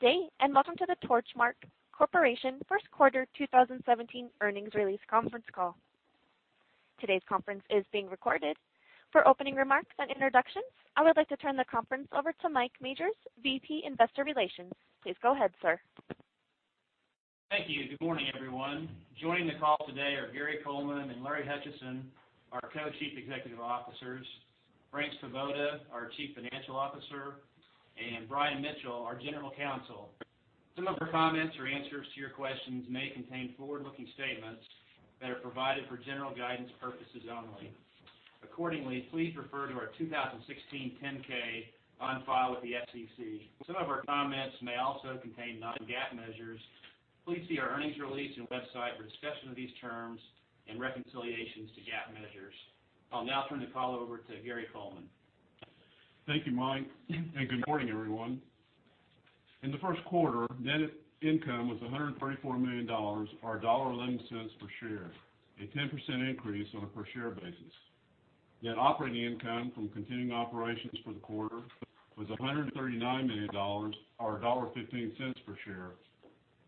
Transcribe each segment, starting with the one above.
Good day, and welcome to the Torchmark Corporation first quarter 2017 earnings release conference call. Today's conference is being recorded. For opening remarks and introductions, I would like to turn the conference over to Mike Majors, VP, Investor Relations. Please go ahead, sir. Thank you. Good morning, everyone. Joining the call today are Gary Coleman and Larry Hutchison, our Co-Chief Executive Officers, Frank Svoboda, our Chief Financial Officer, and Brian Mitchell, our General Counsel. Some of our comments or answers to your questions may contain forward-looking statements that are provided for general guidance purposes only. Accordingly, please refer to our 2016 10-K on file with the SEC. Some of our comments may also contain non-GAAP measures. Please see our earnings release and website for a discussion of these terms and reconciliations to GAAP measures. I'll now turn the call over to Gary Coleman. Thank you, Mike. Good morning, everyone. In the first quarter, net income was $134 million or $1.11 per share, a 10% increase on a per share basis. Net operating income from continuing operations for the quarter was $139 million, or $1.15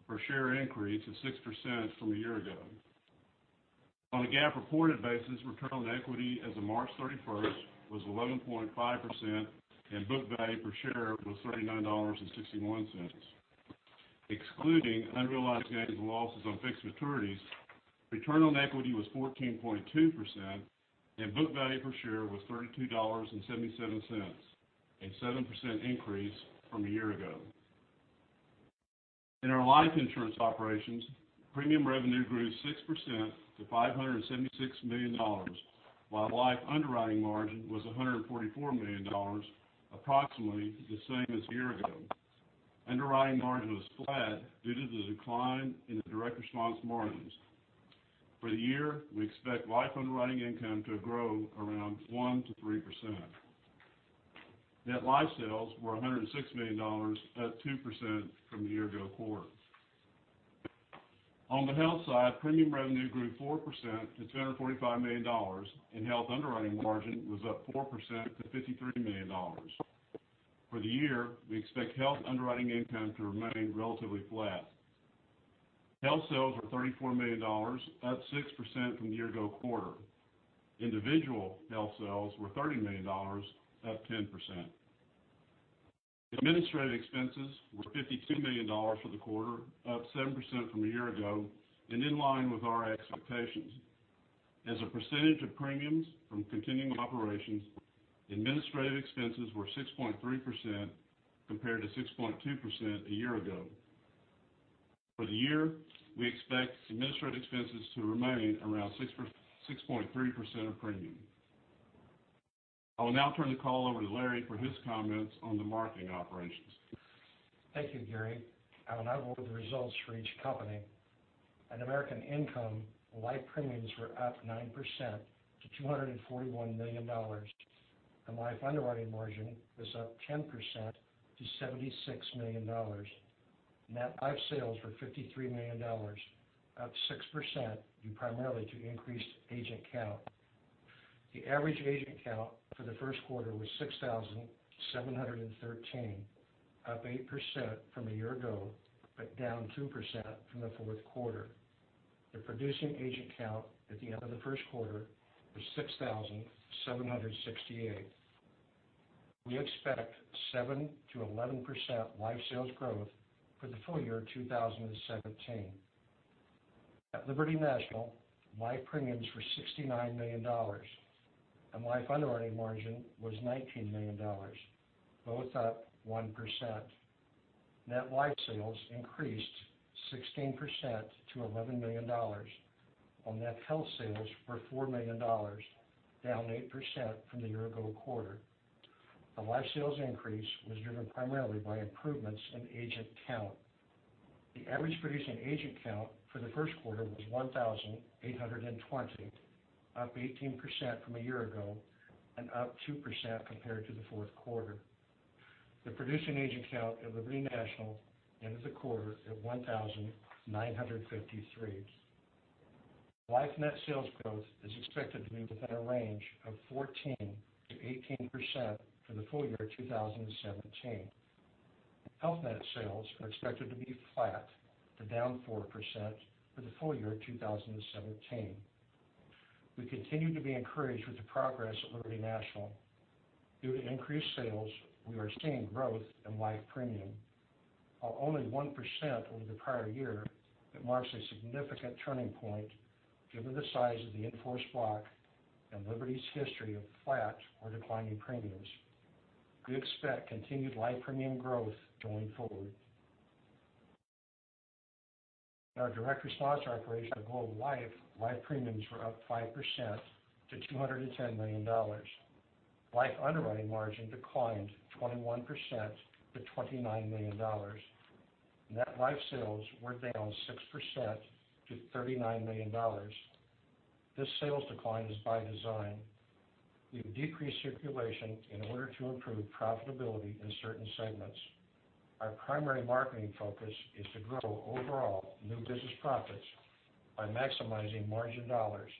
per share increase of 6% from a year ago. On a GAAP reported basis, return on equity as of March 31st was 11.5%, and book value per share was $39.61. Excluding unrealized gains and losses on fixed maturities, return on equity was 14.2%, and book value per share was $32.77, a 7% increase from a year ago. In our life insurance operations, premium revenue grew 6% to $576 million, while life underwriting margin was $144 million, approximately the same as a year ago. Underwriting margin was flat due to the decline in the direct response margins. For the year, we expect life underwriting income to grow around 1%-3%. Net life sales were $106 million, up 2% from the year ago quarter. On the health side, premium revenue grew 4% to $245 million. Health underwriting margin was up 4% to $53 million. For the year, we expect health underwriting income to remain relatively flat. Health sales were $34 million, up 6% from the year ago quarter. Individual health sales were $30 million, up 10%. Administrative expenses were $52 million for the quarter, up 7% from a year ago, in line with our expectations. As a percentage of premiums from continuing operations, administrative expenses were 6.3% compared to 6.2% a year ago. For the year, we expect administrative expenses to remain around 6.3% of premium. I will now turn the call over to Larry for his comments on the marketing operations. Thank you, Gary. I will now go over the results for each company. At American Income, life premiums were up 9% to $241 million, and life underwriting margin was up 10% to $76 million. Net life sales were $53 million, up 6%, due primarily to increased agent count. The average agent count for the first quarter was 6,713, up 8% from a year ago, but down 2% from the fourth quarter. The producing agent count at the end of the first quarter was 6,768. We expect 7%-11% life sales growth for the full year 2017. At Liberty National, life premiums were $69 million, and life underwriting margin was $19 million, both up 1%. Net life sales increased 16% to $11 million, while net health sales were $4 million, down 8% from the year ago quarter. The life sales increase was driven primarily by improvements in agent count. The average producing agent count for the first quarter was 1,820, up 18% from a year ago and up 2% compared to the fourth quarter. The producing agent count at Liberty National ended the quarter at 1,953. Life net sales growth is expected to be within a range of 14%-18% for the full year 2017. Health net sales are expected to be flat to down 4% for the full year 2017. We continue to be encouraged with the progress at Liberty National. Due to increased sales, we are seeing growth in life premium. While only 1% over the prior year, it marks a significant turning point given the size of the in-force block and Liberty's history of flat or declining premiums. We expect continued life premium growth going forward. In our direct response operation at Globe Life, life premiums were up 5% to $210 million. Life underwriting margin declined 21% to $29 million. Net life sales were down 6% to $39 million. This sales decline is by design. We've decreased circulation in order to improve profitability in certain segments. Our primary marketing focus is to grow overall new business profits by maximizing margin dollars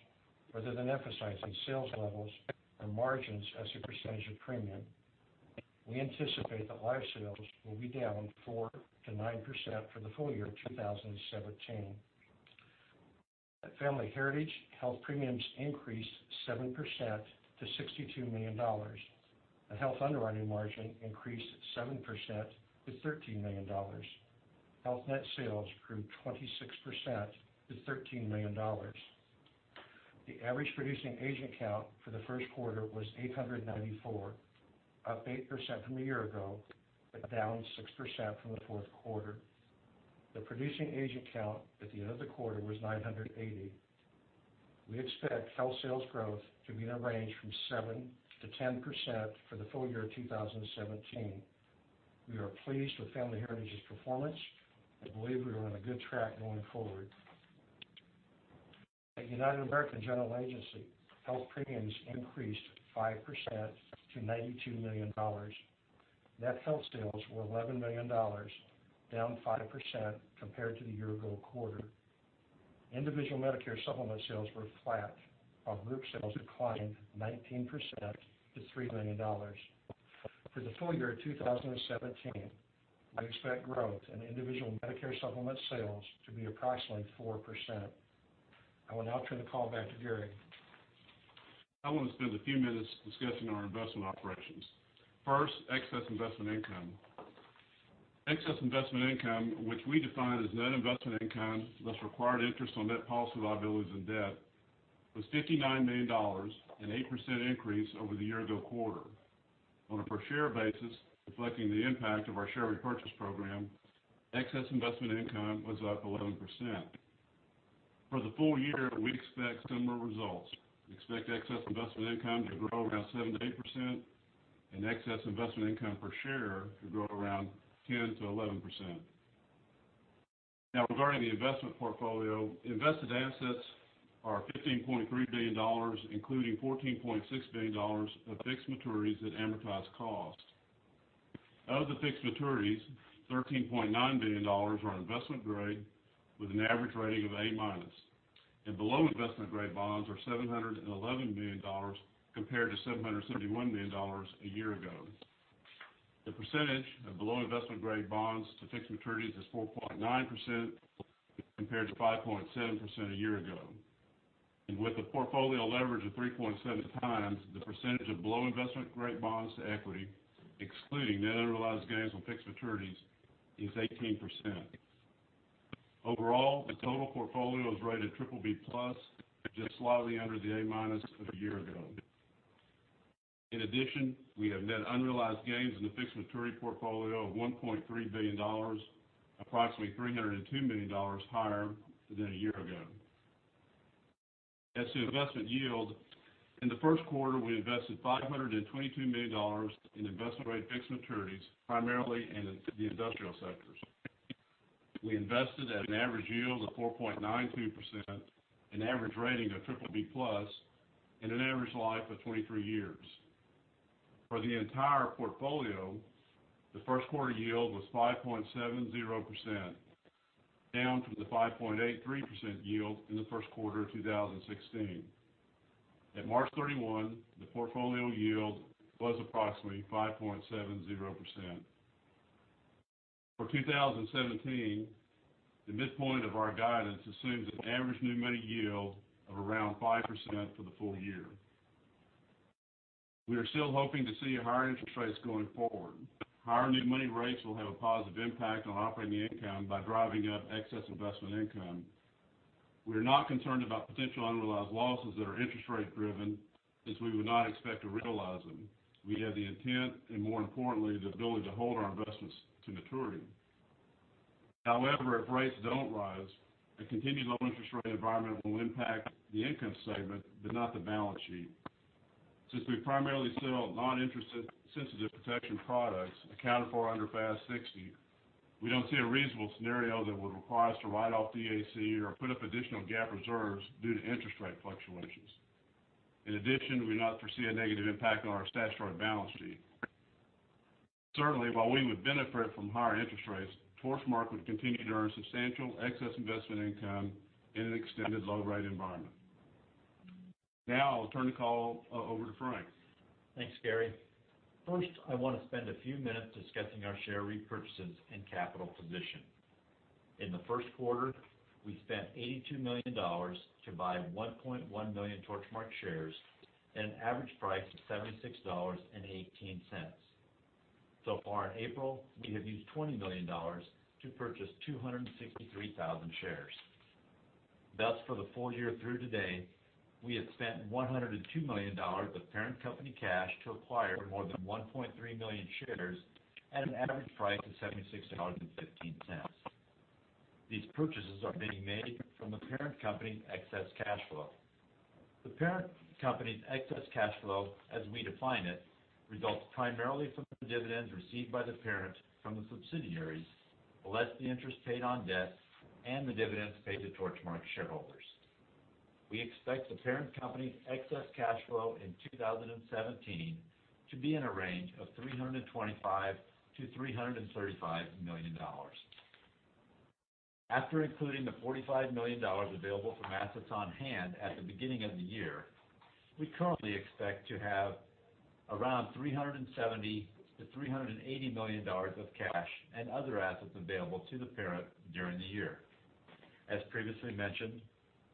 rather than emphasizing sales levels or margins as a percentage of premium, we anticipate that life sales will be down 4%-9% for the full year 2017. At Family Heritage, health premiums increased 7% to $62 million. The health underwriting margin increased 7% to $13 million. Health net sales grew 26% to $13 million. The average producing agent count for the first quarter was 894, up 8% from a year ago, but down 6% from the fourth quarter. The producing agent count at the end of the quarter was 980. We expect health sales growth to be in a range from 7%-10% for the full year 2017. We are pleased with Family Heritage's performance and believe we are on a good track going forward. At United American General Agency, health premiums increased 5% to $92 million. Net health sales were $11 million, down 5% compared to the year-ago quarter. Individual Medicare supplement sales were flat, while group sales declined 19% to $3 million. For the full year 2017, we expect growth in individual Medicare supplement sales to be approximately 4%. I will now turn the call back to Gary. I want to spend a few minutes discussing our investment operations. First, excess investment income. Excess investment income, which we define as net investment income, less required interest on net policy liabilities and debt, was $59 million, an 8% increase over the year-ago quarter. On a per-share basis, reflecting the impact of our share repurchase program, excess investment income was up 11%. For the full year, we expect similar results. We expect excess investment income to grow around 7%-8%, and excess investment income per share to grow around 10%-11%. Regarding the investment portfolio, invested assets are $15.3 billion, including $14.6 billion of fixed maturities at amortized cost. Of the fixed maturities, $13.9 billion are investment-grade with an average rating of A-, and below investment-grade bonds are $711 million compared to $771 million a year ago. The percentage of below investment-grade bonds to fixed maturities is 4.9% compared to 5.7% a year ago. With a portfolio leverage of 3.7 times, the percentage of below investment-grade bonds to equity, excluding net unrealized gains on fixed maturities, is 18%. Overall, the total portfolio is rated BBB+, just slightly under the A- of a year ago. In addition, we have net unrealized gains in the fixed maturity portfolio of $1.3 billion, approximately $302 million higher than a year ago. As to investment yield, in the first quarter, we invested $522 million in investment-grade fixed maturities, primarily in the industrial sectors. We invested at an average yield of 4.92%, an average rating of BBB+, and an average life of 23 years. For the entire portfolio, the first quarter yield was 5.70%, down from the 5.83% yield in the first quarter of 2016. At March 31, the portfolio yield was approximately 5.70%. For 2017, the midpoint of our guidance assumes an average new money yield of around 5% for the full year. We are still hoping to see higher interest rates going forward. Higher new money rates will have a positive impact on operating income by driving up excess investment income. We are not concerned about potential unrealized losses that are interest rate-driven, as we would not expect to realize them. We have the intent and, more importantly, the ability to hold our investments to maturity. However, if rates don't rise, a continued low interest rate environment will impact the income statement but not the balance sheet. Since we primarily sell non-interest-sensitive protection products accounted for under FAS 60, we don't see a reasonable scenario that would require us to write off the DAC or put up additional GAAP reserves due to interest rate fluctuations. In addition, we do not foresee a negative impact on our statutory balance sheet. Certainly, while we would benefit from higher interest rates, Torchmark would continue to earn substantial excess investment income in an extended low-rate environment. I'll turn the call over to Frank. Thanks, Gary. First, I want to spend a few minutes discussing our share repurchases and capital position. In the first quarter, we spent $82 million to buy 1.1 million Torchmark shares at an average price of $76.18. So far in April, we have used $20 million to purchase 263,000 shares. For the full year through today, we have spent $102 million of parent company cash to acquire more than 1.3 million shares at an average price of $76.15. These purchases are being made from the parent company excess cash flow. The parent company's excess cash flow, as we define it, results primarily from the dividends received by the parent from the subsidiaries, less the interest paid on debt and the dividends paid to Torchmark shareholders. We expect the parent company's excess cash flow in 2017 to be in a range of $325 million-$335 million. After including the $45 million available from assets on hand at the beginning of the year, we currently expect to have around $370 million-$380 million of cash and other assets available to the parent during the year. As previously mentioned,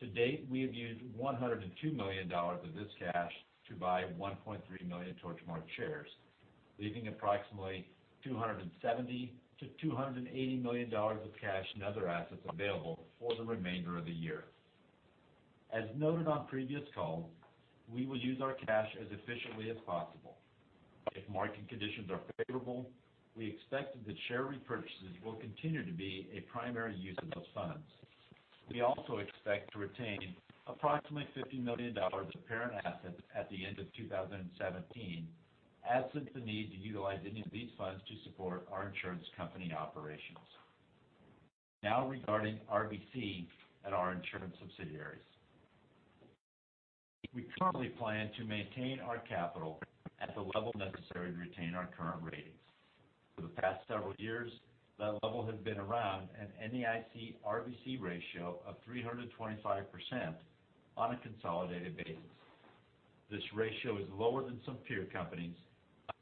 to date, we have used $102 million of this cash to buy 1.3 million Torchmark shares, leaving approximately $270 million-$280 million of cash and other assets available for the remainder of the year. As noted on previous calls, we will use our cash as efficiently as possible. If market conditions are favorable, we expect that share repurchases will continue to be a primary use of those funds. We also expect to retain approximately $50 million of parent assets at the end of 2017, absent the need to utilize any of these funds to support our insurance company operations. Regarding RBC at our insurance subsidiaries. We currently plan to maintain our capital at the level necessary to retain our current ratings. For the past several years, that level has been around an NAIC RBC ratio of 325% on a consolidated basis. This ratio is lower than some peer companies,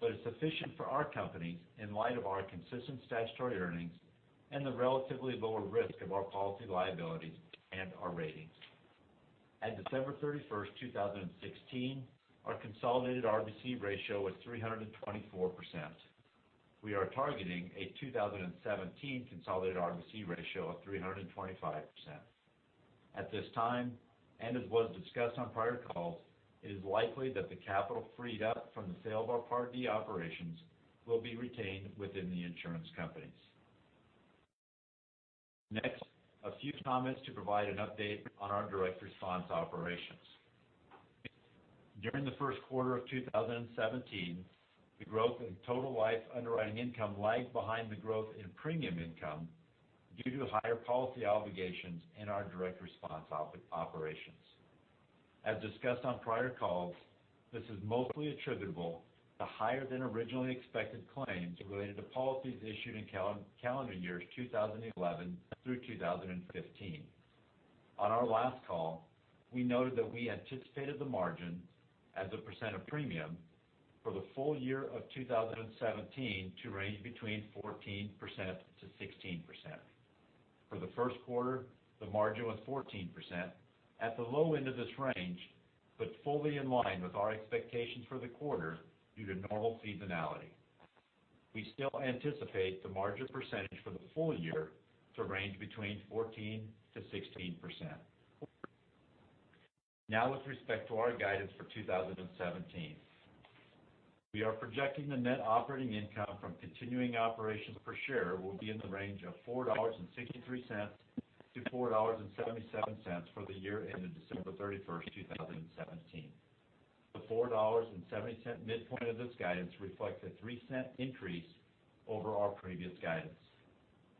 but it's sufficient for our company in light of our consistent statutory earnings and the relatively lower risk of our policy liabilities and our ratings. At December 31st, 2016, our consolidated RBC ratio was 324%. We are targeting a 2017 consolidated RBC ratio of 325%. At this time, and as was discussed on prior calls, it is likely that the capital freed up from the sale of our Part D operations will be retained within the insurance companies. A few comments to provide an update on our direct response operations. During the first quarter of 2017, the growth in total life underwriting income lagged behind the growth in premium income due to higher policy obligations in our direct response operations. As discussed on prior calls, this is mostly attributable to higher than originally expected claims related to policies issued in calendar years 2011 through 2015. On our last call, we noted that we anticipated the margin as a percent of premium for the full year of 2017 to range between 14%-16%. For the first quarter, the margin was 14%, at the low end of this range, but fully in line with our expectations for the quarter due to normal seasonality. We still anticipate the margin percentage for the full year to range between 14%-16%. With respect to our guidance for 2017. We are projecting the net operating income from continuing operations per share will be in the range of $4.63-$4.77 for the year ending December 31st, 2017. The $4.77 midpoint of this guidance reflects a $0.03 increase over our previous guidance.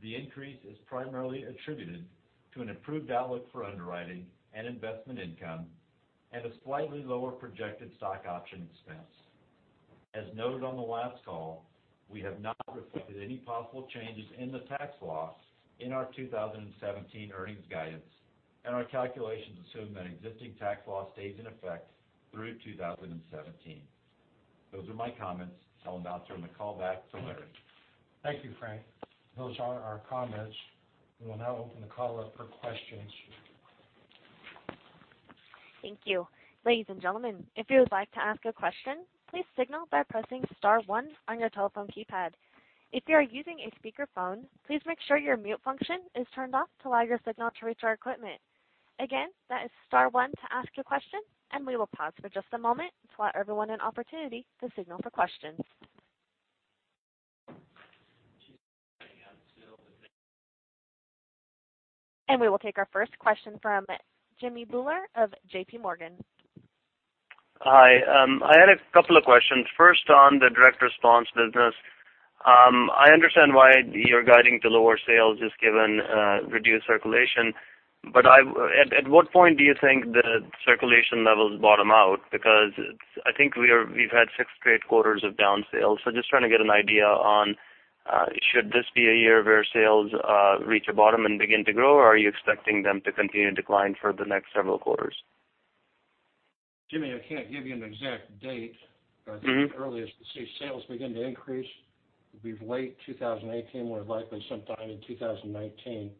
The increase is primarily attributed to an improved outlook for underwriting and investment income, and a slightly lower projected stock option expense. As noted on the last call, we have not reflected any possible changes in the tax law in our 2017 earnings guidance, and our calculations assume that existing tax law stays in effect through 2017. Those are my comments. I will now turn the call back to Larry. Thank you, Frank. Those are our comments. We will now open the call up for questions. Thank you. Ladies and gentlemen, if you would like to ask a question, please signal by pressing *1 on your telephone keypad. If you are using a speakerphone, please make sure your mute function is turned off to allow your signal to reach our equipment. Again, that is *1 to ask a question, we will pause for just a moment to allow everyone an opportunity to signal for questions. We will take our first question from Jimmy Bhullar of J.P. Morgan. Hi. I had a couple of questions. First, on the direct response business. I understand why you're guiding to lower sales, just given reduced circulation, but at what point do you think the circulation levels bottom out? I think we've had six straight quarters of down sales. Just trying to get an idea on, should this be a year where sales reach a bottom and begin to grow, or are you expecting them to continue to decline for the next several quarters? Jimmy, I can't give you an exact date. I think the earliest to see sales begin to increase will be late 2018, more likely sometime in 2019.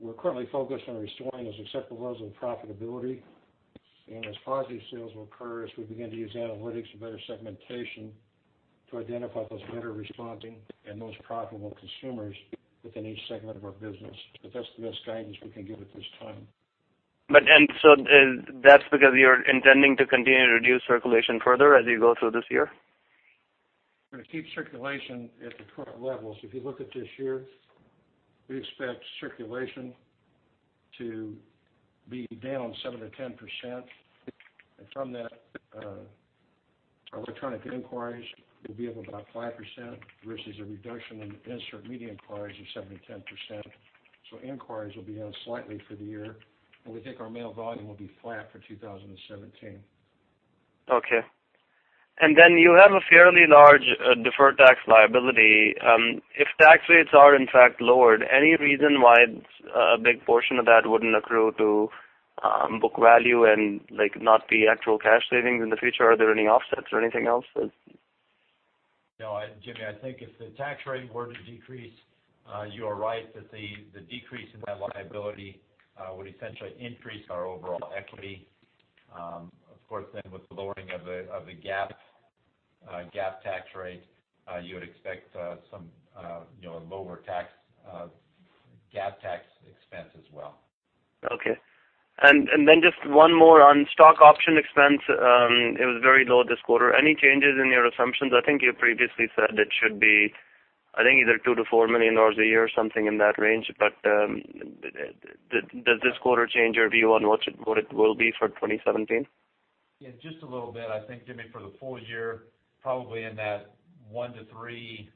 We're currently focused on restoring those acceptable levels of profitability, as positive sales will occur, as we begin to use analytics and better segmentation to identify those better responding and most profitable consumers within each segment of our business. That's the best guidance we can give at this time. That's because you're intending to continue to reduce circulation further as you go through this year? We're going to keep circulation at the current levels. If you look at this year, we expect circulation to be down 7%-10%. Our electronic inquiries will be up about 5%, versus a reduction in insert/mail inquiries of 7%-10%. Inquiries will be down slightly for the year, and we think our mail volume will be flat for 2017. Okay. You have a fairly large deferred tax liability. If tax rates are in fact lowered, any reason why a big portion of that wouldn't accrue to book value and not be actual cash savings in the future? Are there any offsets or anything else? No, Jimmy, I think if the tax rate were to decrease, you are right that the decrease in that liability would essentially increase our overall equity. Of course, with the lowering of the GAAP tax rate, you would expect some lower GAAP tax expense as well. Okay. Just one more on stock option expense. It was very low this quarter. Any changes in your assumptions? I think you previously said it should be, I think either $2 million-$4 million a year or something in that range. Does this quarter change your view on what it will be for 2017? Yeah, just a little bit. I think, Jimmy, for the full year, probably in that $1 to $3,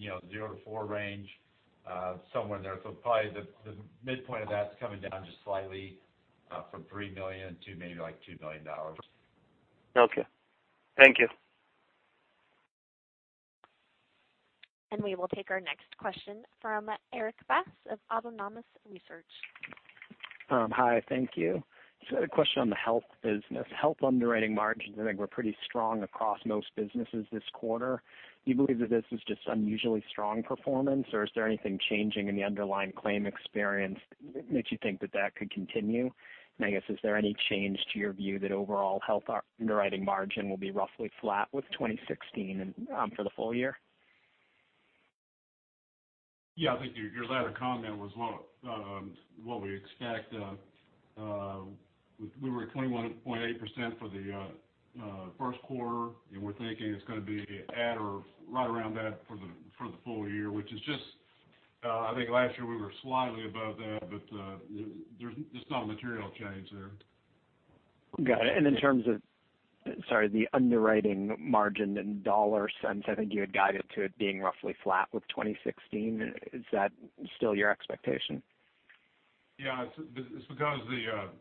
$0 to $4 range, somewhere in there. Probably the midpoint of that's coming down just slightly from $3 million to maybe like $2 million. Okay. Thank you. We will take our next question from Erik Bass of Autonomous Research. Hi. Thank you. Just had a question on the health business. Health underwriting margins I think were pretty strong across most businesses this quarter. Do you believe that this is just unusually strong performance, or is there anything changing in the underlying claim experience that makes you think that that could continue? I guess, is there any change to your view that overall health underwriting margin will be roughly flat with 2016 and for the full year? Yeah, I think your latter comment was what we expect. We were at 21.8% for the first quarter, and we're thinking it's going to be at or right around that for the full year, which is just, I think last year we were slightly above that, but there's not a material change there. Got it. In terms of, sorry, the underwriting margin in dollar sense, I think you had guided to it being roughly flat with 2016. Is that still your expectation? Yeah. It's because we're thinking about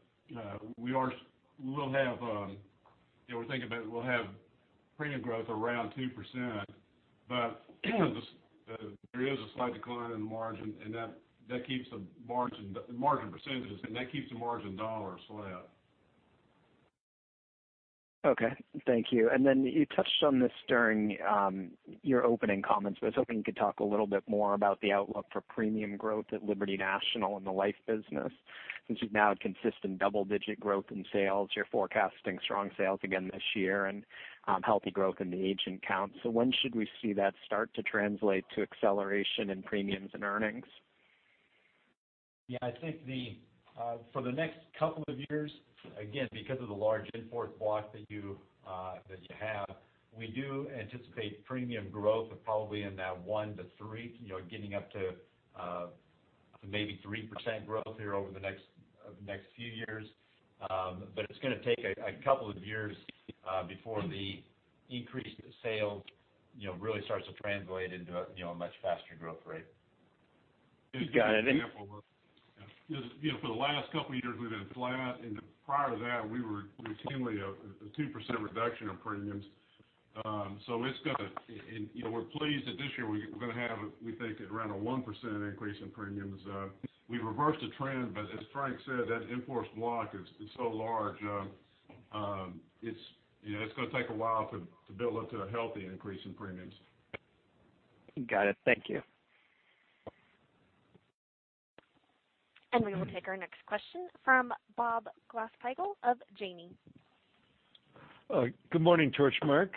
we'll have premium growth around 2%, but there is a slight decline in the margin, and that keeps the margin percentages, and that keeps the margin dollars flat. Okay. Thank you. Then you touched on this during your opening comments, but I was hoping you could talk a little bit more about the outlook for premium growth at Liberty National in the life business. Since you've now had consistent double-digit growth in sales, you're forecasting strong sales again this year and healthy growth in the agent count. When should we see that start to translate to acceleration in premiums and earnings? Yeah, I think for the next couple of years, again, because of the large in-force block that you have, we do anticipate premium growth of probably in that 1%-3%, getting up to maybe 3% growth here over the next few years. It's going to take a couple of years before the increase in sales really starts to translate into a much faster growth rate. Got it. For the last couple of years, we've been flat, and prior to that, we were routinely a 2% reduction in premiums. We're pleased that this year we're going to have, we think, around a 1% increase in premiums. We've reversed the trend, but as Frank said, that in-force block is so large, it's going to take a while to build up to a healthy increase in premiums. Got it. Thank you. We will take our next question from Bob Glasspiegel of Janney. Good morning, Gary, Mark.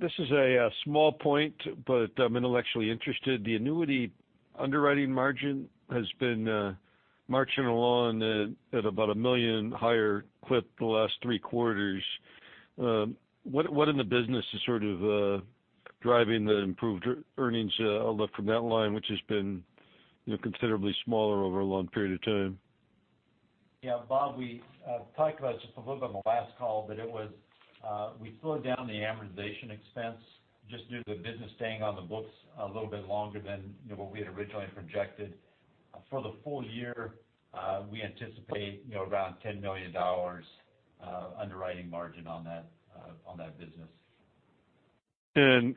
This is a small point, but I'm intellectually interested. The annuity underwriting margin has been marching along at about a $1 million higher clip the last 3 quarters. What in the business is sort of driving the improved earnings outlook from that line, which has been considerably smaller over a long period of time? Yeah, Bob, we talked about it just a little bit on the last call. We slowed down the amortization expense, just due to the business staying on the books a little bit longer than what we had originally projected. For the full year, we anticipate around $10 million underwriting margin on that business.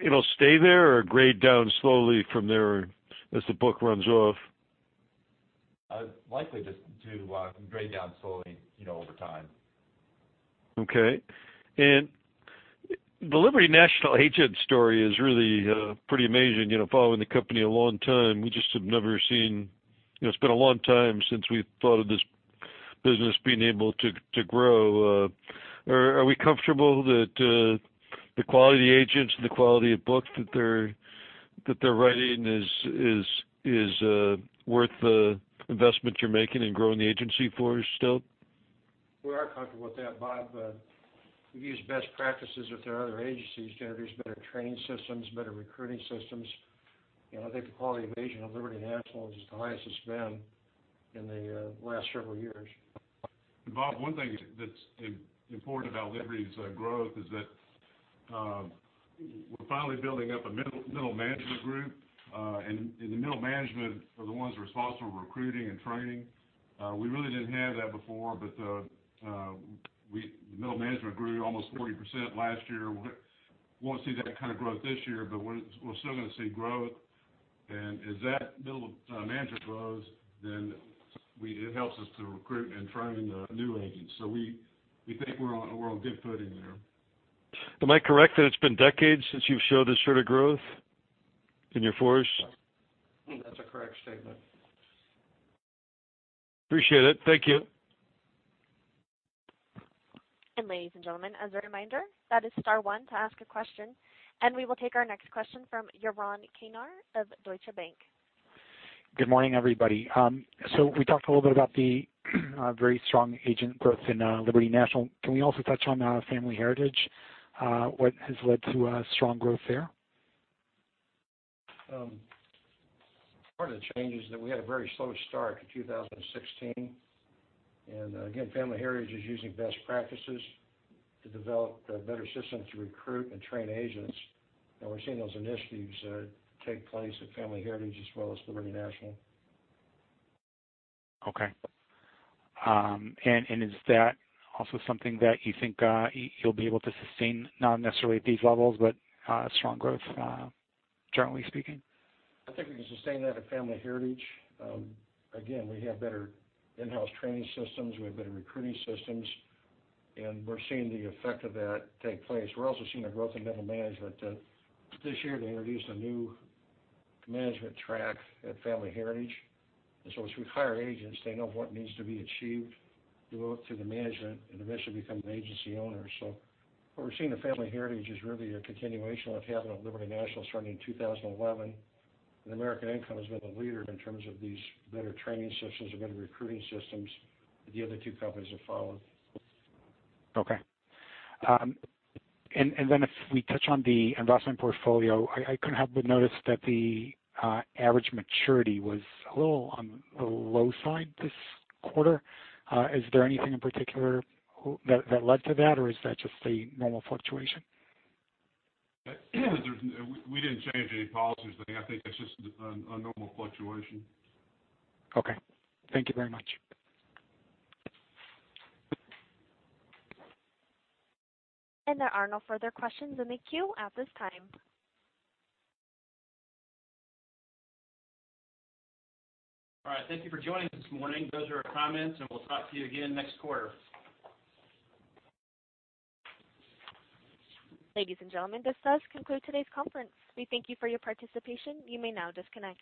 It'll stay there or grade down slowly from there as the book runs off? Likely just to grade down slowly over time. Okay. The Liberty National agent story is really pretty amazing. Following the company a long time, it's been a long time since we thought of this business being able to grow. Are we comfortable that the quality agents and the quality of books that they're writing is worth the investment you're making in growing the agency force still? We are comfortable with that, Bob. We've used best practices with our other agencies to introduce better training systems, better recruiting systems. I think the quality of agent of Liberty National is the highest it's been in the last several years. Bob, one thing that's important about Liberty's growth is that we're finally building up a middle management group. The middle management are the ones responsible for recruiting and training. We really didn't have that before, but the middle management grew almost 40% last year. Won't see that kind of growth this year, but we're still going to see growth. As that middle management grows, then it helps us to recruit and train new agents. We think we're on good footing there. Am I correct that it's been decades since you've showed this sort of growth in your force? That's a correct statement. Appreciate it. Thank you. ladies and gentlemen, as a reminder, that is star one to ask a question, we will take our next question from Yaron Orenstein of Deutsche Bank. Good morning, everybody. We talked a little bit about the very strong agent growth in Liberty National. Can we also touch on Family Heritage? What has led to strong growth there? Part of the change is that we had a very slow start to 2016. Again, Family Heritage is using best practices to develop a better system to recruit and train agents. We're seeing those initiatives take place at Family Heritage as well as Liberty National. Okay. Is that also something that you think you'll be able to sustain, not necessarily at these levels, but strong growth, generally speaking? I think we can sustain that at Family Heritage. Again, we have better in-house training systems. We have better recruiting systems, and we're seeing the effect of that take place. We're also seeing the growth in middle management. This year, they introduced a new management track at Family Heritage. As we hire agents, they know what needs to be achieved to go up through the management and eventually become an agency owner. What we're seeing at Family Heritage is really a continuation of what happened at Liberty National starting in 2011. American Income has been a leader in terms of these better training systems and better recruiting systems, and the other two companies are following. Okay. If we touch on the investment portfolio, I couldn't help but notice that the average maturity was a little on the low side this quarter. Is there anything in particular that led to that, or is that just a normal fluctuation? We didn't change any policies. I think that's just a normal fluctuation. Okay. Thank you very much. There are no further questions in the queue at this time. All right. Thank you for joining this morning. Those are our comments, and we'll talk to you again next quarter. Ladies and gentlemen, this does conclude today's conference. We thank you for your participation. You may now disconnect.